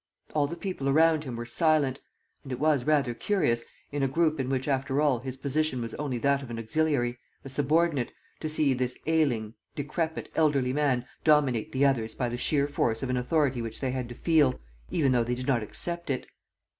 All the people around him were silent. ... And it was rather curious, in a group in which, after all, his position was only that of an auxiliary, a subordinate, to see this ailing, decrepit, elderly man dominate the others by the sheer force of an authority which they had to feel, even though they did not accept it.